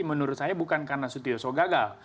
menurut saya bukan karena sutioso gagal